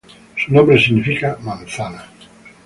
Su nombre significa Manzana.